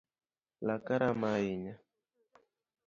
Laka rama ahinya